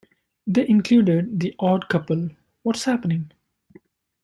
They included "The Odd Couple"; "What's Happening!!